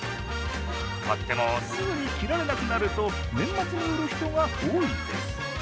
買ってもすぐに着られなくなると年末に売る人が多いんです。